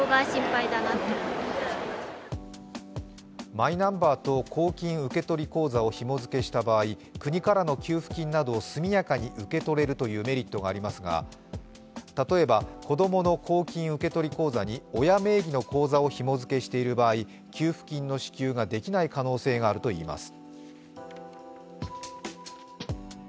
マイナンバーと公金受取口座をひも付けした場合、国からの給付金などを速やかに受け取れるというメリットがありますが、例えば子供の公金受取口座に親名義の口座をひも付けしている場合、給付金の支給ができない可能性があるといいます。